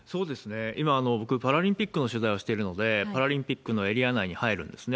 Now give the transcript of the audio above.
今、僕、パラリンピックの取材をしているので、パラリンピックのエリア内に入るんですね。